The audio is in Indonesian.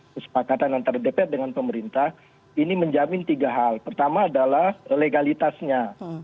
kesepakatan antara dpr dengan pemerintah ini menjamin tiga hal pertama adalah legalitasnya